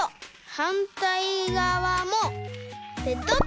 はんたいがわもペトッと。